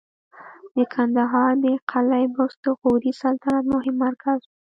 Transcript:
د کندهار د قلعه بست د غوري سلطنت مهم مرکز و